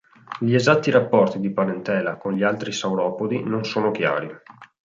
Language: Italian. Gli esatti rapporti di parentela con gli altri sauropodi non sono chiari.